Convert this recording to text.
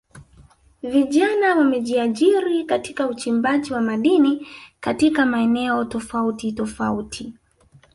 Vijana wamejiajiri katika uchimbaji wa madini katika maeneo tofauti tofauti